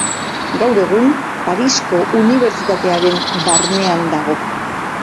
Gaur egun Parisko Unibertsitatearen barnean dago.